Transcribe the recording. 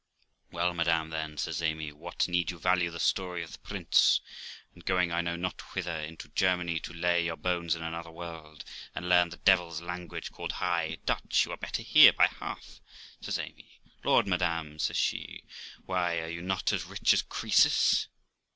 'Well, madam, then', says Amy, what need you value the story of the prince, and going I know not whither into Germany, to lay your bones in another world, and learn the devil's language, called High Dutch? You are better here by half, says Amy. ' Lawd, madam !' says she ;' why, are you not as rich as Croesus